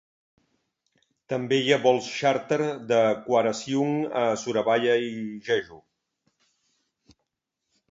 També hi ha vols xàrter de Kaurasiung a Surabaya i Jeju.